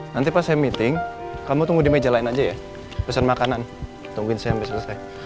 nanti pas saya meeting kamu tunggu di meja lain aja ya pesan makanan tungguin saya sampai selesai